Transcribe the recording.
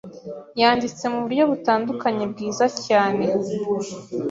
yanditse muburyo butandukanye bwiza cyane